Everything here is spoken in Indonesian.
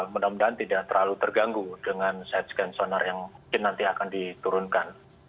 mudah mudahan tidak terlalu terganggu dengan side scan sonar yang mungkin nanti akan diturunkan